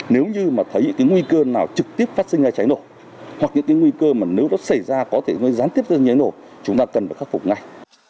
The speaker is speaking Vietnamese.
nếu như mà thấy những cái nguy cơ nào trực tiếp phát sinh ra cháy nổ hoặc những cái nguy cơ mà nếu nó xảy ra có thể nó gián tiếp ra như thế nổ chúng ta cần phải khắc phục ngay